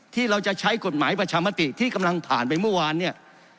ที่เราจะใช้กฎหมายประชามติที่กำลังผ่านไปเมื่อวานเนี่ย